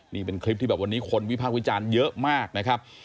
นี่เป็นคลิปที่แบบวันนี้คนวิพากษ์วิจารณ์เยอะมากนะครับ